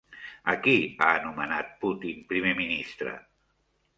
A qui ha anomenat Putin primer ministre?